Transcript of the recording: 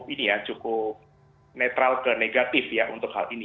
tetapi untuk saham yang sudah menurut saya netral ke negatif ya untuk hal ini